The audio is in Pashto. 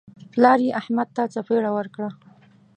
پلار یې احمد ته څپېړه ورکړه.